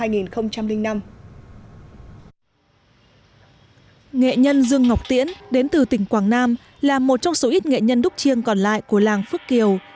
nghệ nhân dương ngọc tiễn đến từ tỉnh quảng nam là một trong số ít nghệ nhân đúc chiêng còn lại của làng phước kiều